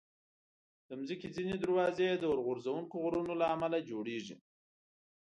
د مځکې ځینې دروازې د اورغورځونکو غرونو له امله جوړېږي.